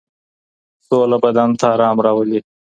سوله بدن ته ارام راولي